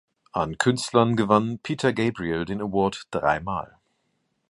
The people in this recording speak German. An Künstlern gewann Peter Gabriel den Award dreimal.